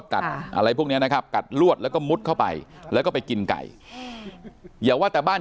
กัดอะไรพวกนี้นะครับกัดลวดแล้วก็มุดเข้าไปแล้วก็ไปกินไก่อย่าว่าแต่บ้าน